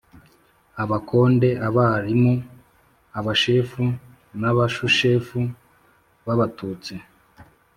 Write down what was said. abakonde, abarimu, abashefu n' abasushefu b' abatutsi